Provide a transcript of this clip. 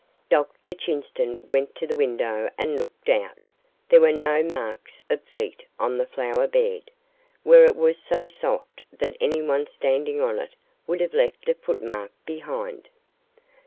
Dr Chinston went to the window and looked out; there were no marks of feet on the flower bed, where it was so soft that anyone standing on it would have left a footmark behind.